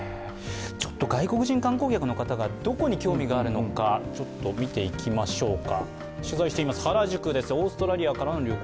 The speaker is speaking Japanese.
外国人観光客の方がどこに興味があるのか見ていきましょうか。